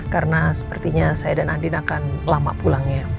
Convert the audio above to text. karena sepertinya saya dan andina akan lama pulangnya